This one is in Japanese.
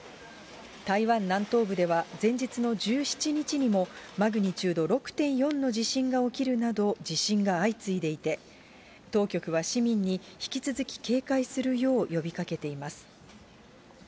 台湾南東部では、前日の１７日にも、マグニチュード６．４の地震が起きるなど、地震が相次いでいて、当局は市民に引き続き、警戒するよう呼びかけています。